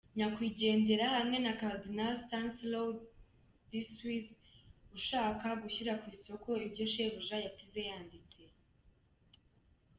nyakwigendera, hamwe na Karidinali Stanislaw Dziwisz ushaka gushyira ku isoko ibyo shebuja yasize yanditse.